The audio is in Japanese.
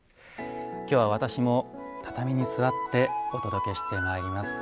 今日は私も畳に座ってお届けしてまいります。